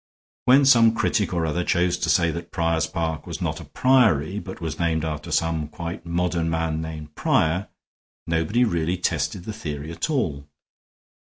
"When some critic or other chose to say that Prior's Park was not a priory, but was named after some quite modern man named Prior, nobody really tested the theory at all.